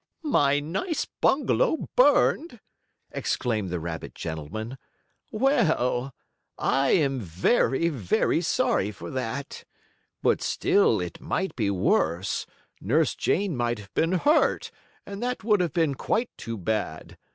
"My nice bungalow burned!" exclaimed the rabbit gentleman. "Well, I am very, very sorry for that. But still it might be worse. Nurse Jane might have been hurt, and that would have been quite too bad.